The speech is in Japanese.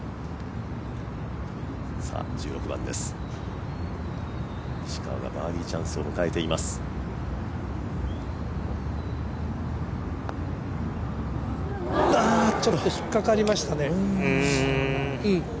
１６番です、石川がバーディーチャンスを迎えていますああ、ちょっと引っかかりましたね。